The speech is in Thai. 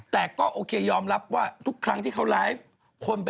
แต่ก็โอเคยอมรับว่าทุกครั้งที่เขาไลฟ์